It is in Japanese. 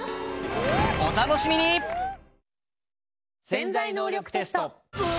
「潜在能力テスト」。